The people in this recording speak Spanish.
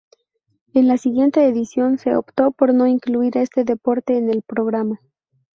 En la siguiente edición se optó por no incluir este deporte en el programa.